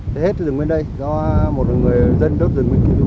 để hết rừng bên đây do một người dân đốt rừng bên kia